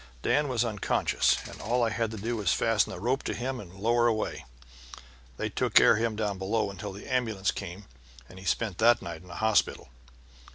Dan was unconscious, and all I had to do was fasten a rope to him and lower away. They took care of him down below until the ambulance came, and he spent that night in a hospital.